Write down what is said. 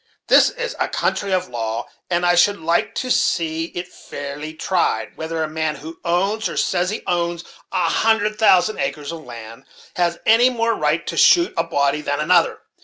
This is a country of law; and I should like to see it fairly tried, whether a man who owns, or says he owns, a hundred thousand acres of land, has any more right to shoot a body than another.